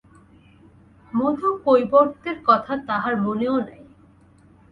মধুকৈবর্তের কথা তাহার মনেও নাই।